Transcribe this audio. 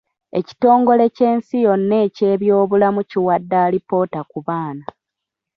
Ekitongere ky'ensi yonna eky'ebyobulamu kiwadde alipoota ku baana.